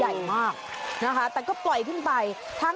อารมณ์แบบบอลลูนเลยนะ